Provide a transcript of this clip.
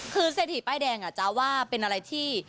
คือเศรษฐีป้ายแดงอ่ะจ๊ะว่าเป็นอะไรที่